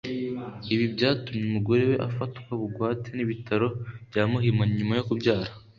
Ibi byatumye umugore we afatwa bugwate n’ibitaro bya Muhima nyuma yo kubyara